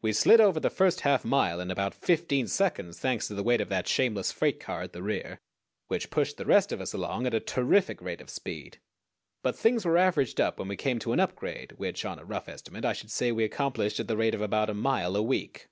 We slid over the first half mile in about fifteen seconds, thanks to the weight of that shameless freight car at the rear, which pushed the rest of us along at a terrific rate of speed; but things were averaged up when we came to an upgrade, which, on a rough estimate, I should say we accomplished at the rate of about a mile a week.